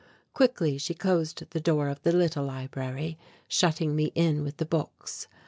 Quickly she closed the door of the little library, shutting me in with the books.